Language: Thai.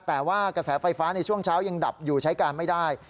แต่ว่ากระแสไฟฟ้าในช่วงเช้ายังดับอยู่ใช้การไม่ได้